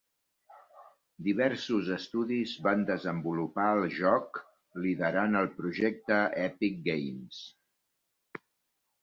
Diversos estudis van desenvolupar el joc, liderant el projecte Epic Games.